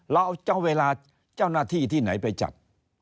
เราเอาเจ้าเวลาเจ้าหน้าที่ที่ไหนไปจัด